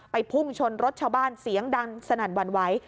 พุ่งชนรถชาวบ้านเสียงดังสนั่นหวั่นไหว